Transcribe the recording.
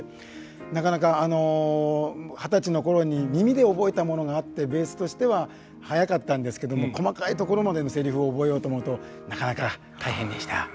なかなか二十歳の頃に耳で覚えたものがあってベースとしては早かったんですけど細かいところまでのセリフを覚えようと思うとなかなか大変でした。